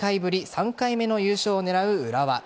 ３回目の優勝を狙う浦和。